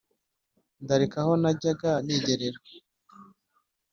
ndareka aho najyaga nigerera,